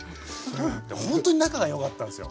ほんとに仲がよかったんすよ。